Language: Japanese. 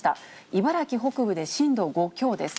茨城北部で震度５強です。